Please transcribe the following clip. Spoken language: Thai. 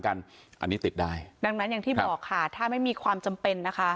อันนี้ติดได้ดังนั้นอย่างที่บอกค่ะถ้าไม่มีความจำเป็นนะคะ